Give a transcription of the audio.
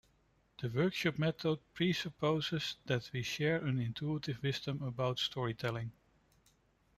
The workshop method presupposes that we share an intuitive wisdom about storytelling.